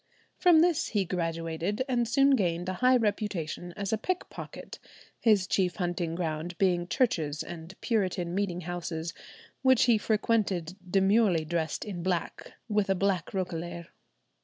From this he graduated, and soon gained a high reputation as a pickpocket, his chief hunting ground being churches and Puritan meeting houses, which he frequented demurely dressed in black with a black roquelaire.